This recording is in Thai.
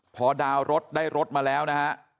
พอดาวน์รถได้รถมาแล้วนะฮะ